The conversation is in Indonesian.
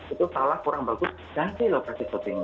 itu salah kurang bagus ganti lokasi syutingnya